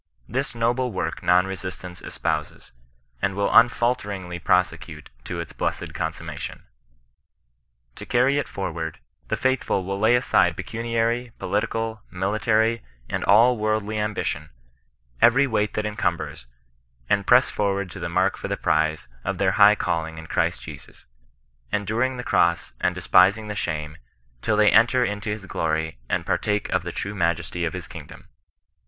This noble work non resistance espouses, and will unfalteringly prosecute to its blessed consummation. To carry it for ward the faithful will lay aside pecuniary, political, military, and all worldly ambition — every weight that encumbers — and press forward to the mark for the prize of their high calling in Christ Jesus ; enduring the cross and despising the shame, till they enter into his glory and partake of the true majesty of his kingdom.